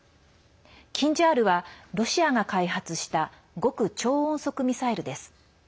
「キンジャール」はロシアが開発した極超音速ミサイルです。